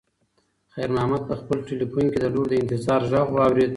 خیر محمد په خپل تلیفون کې د لور د انتظار غږ واورېد.